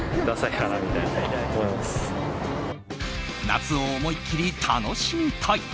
夏を思いっきり楽しみたい。